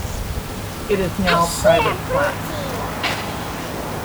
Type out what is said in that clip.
It is now private flats.